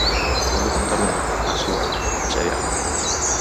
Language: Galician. Volve contar unha, a súa, traxedia real.